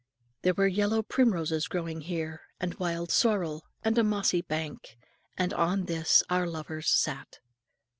There were yellow primroses growing here, and wild sorrel, and a mossy bank; and on this our lovers sat.